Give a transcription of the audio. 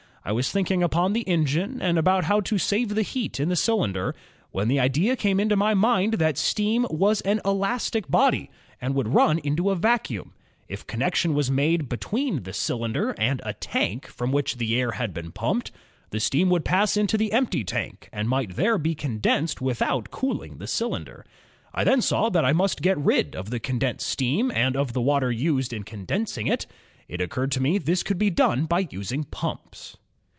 I was thinking upon the engine and about how to save the heat in the cylinder, when the idea came into my mind that steam was an elastic body and would run into a vacuum. If connection was made between the cylinder l6 INVENTIONS OF STEAM AND ELECTRIC POWER and a tank from which the air had been pumped, the steam would pass into the empty tank and might there be condensed without cooling the cylinder. I then saw that I must get rid of the condensed steam and of the water used in condensing it. It occurred to me this could be done by using pumps.